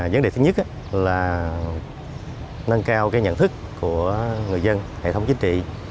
vấn đề thứ nhất là nâng cao nhận thức của người dân hệ thống chính trị